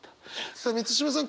さあ満島さん